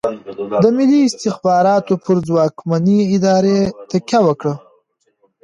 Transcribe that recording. د ملي استخباراتو پر ځواکمنې ادارې تکیه وکړه.